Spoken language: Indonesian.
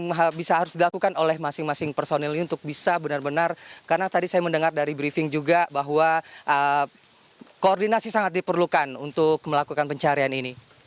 yang harus dilakukan oleh masing masing personil ini untuk bisa benar benar karena tadi saya mendengar dari briefing juga bahwa koordinasi sangat diperlukan untuk melakukan pencarian ini